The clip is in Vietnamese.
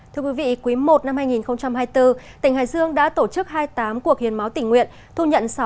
thưa quý vị quý i năm hai nghìn hai mươi bốn tỉnh hải dương đã tổ chức hai mươi tám cuộc hiến máu tỉnh nguyện thu nhận